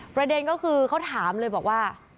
ประเด็นก็คือเขาถามเลยบอกว่า